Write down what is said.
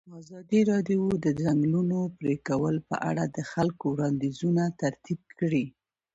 ازادي راډیو د د ځنګلونو پرېکول په اړه د خلکو وړاندیزونه ترتیب کړي.